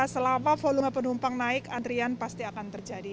selama volume penumpang naik antrian pasti akan terjadi